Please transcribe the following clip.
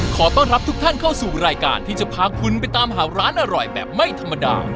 ขอต้อนรับทุกท่านเข้าสู่รายการที่จะพาคุณไปตามหาร้านอร่อยแบบไม่ธรรมดา